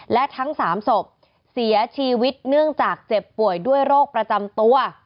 และทั้ง๓ศพเสียชีวิตเนื่องจากเจ็บป่วยด้วยโรคประจำตัว